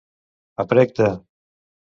A prec de.